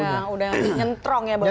sudah nyentrong ya baunya